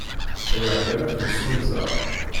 Riɣ kan ad t-nessunzeɣ.